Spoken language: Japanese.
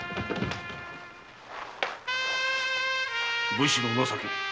武士の情けだ。